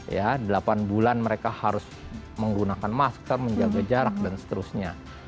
ya delapan bulan mereka harus menggunakan masker menjaga jarak dan seterusnya